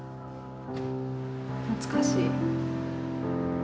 懐かしい。